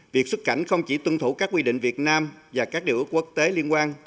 việc xuất cảnh không chỉ tuân thủ các quy định việt nam và các điều ước quốc tế liên quan